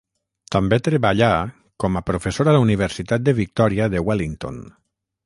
També treballà com a professor a la Universitat de Victòria de Wellington.